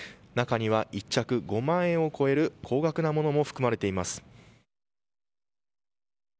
中には１着５万円を超える高額なものも含まれています。